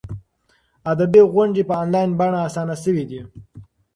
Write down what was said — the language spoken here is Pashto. ادبي غونډې په انلاین بڼه اسانه شوي دي.